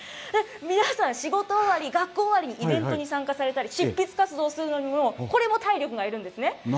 皆さん、仕事終わり、学校終わりにイベントに参加されたり、執筆活動をするのにも、これも体力がいるんですね。